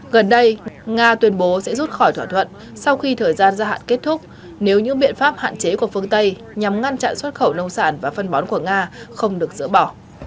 gần đây nga tuyên bố sẽ rút khỏi thỏa thuận sau khi thời gian gia hạn kết thúc nếu những biện pháp hạn chế của phương tây nhằm ngăn chặn xuất khẩu nông sản và phân bón của nga không được dỡ bỏ